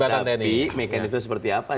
tapi mekanisme seperti apa